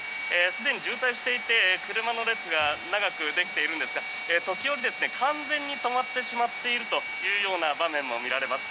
すでに渋滞していて車の列が長くできているんですが時折、完全に止まってしまっているという場面も見られます。